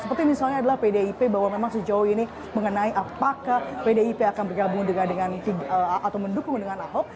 seperti misalnya adalah pdip bahwa memang sejauh ini mengenai apakah pdip akan bergabung dengan atau mendukung dengan ahok